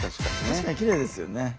確かにきれいですよね。